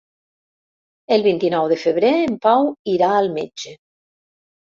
El vint-i-nou de febrer en Pau irà al metge.